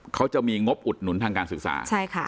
เขาจะมีงบอุดหนุนทางการศึกษา